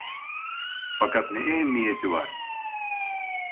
Fakat ne ehemmiyeti var?